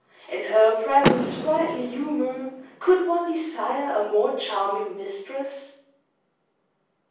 In her present sprightly humor could one desire a more charming mistress?"